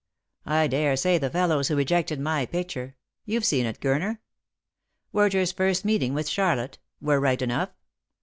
I daresay the fellows who rejected my picture — you've seen it, Gurner :' Werter's first Meeting with Charlotte '— were right enough.